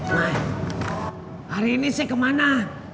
hai hari ini sih kemana